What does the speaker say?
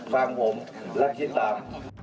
ฟังผมและคิดตาม